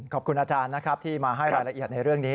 ขอบคุณอาจารย์นะครับที่มาให้รายละเอียดในเรื่องนี้